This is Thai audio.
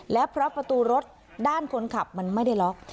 และเพราะประตูรถด้านคนขับมันไม่ได้ล็อก